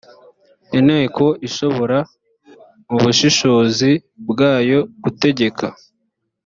inteko ishobora mu bushishozi bwayo gutegeka